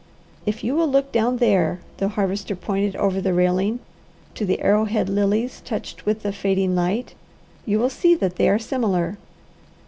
"If you will look down there," the Harvester pointed over the railing to the arrowhead lilies touched with the fading light, "you will see that they are similar."